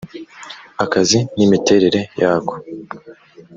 akazi n’imiterere yako